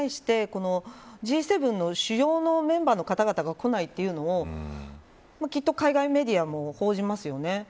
またその国葬に対してＧ７の主要なメンバーの方々が来ないというのをきっと海外メディアも報じますよね。